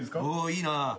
いいな。